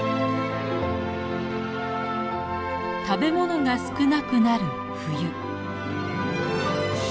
食べ物が少なくなる冬。